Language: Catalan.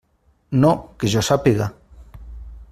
No, que jo sàpiga.